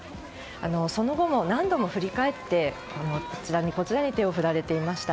その後も何度も振り返ってこちらに、こちらにと手を振られていました。